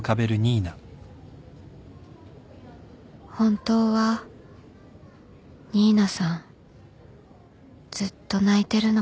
本当は新名さんずっと泣いてるのかな